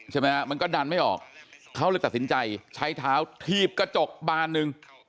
ใช่ไหมฮะมันก็ดันไม่ออกเขาเลยตัดสินใจใช้เท้าถีบกระจกบานหนึ่ง